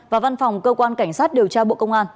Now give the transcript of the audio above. và văn phòng cơ quan cảnh sát điều tra bộ công an